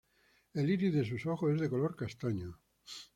El iris de sus ojos es de color castaño.